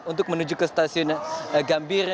untuk menuju ke stasiun gambir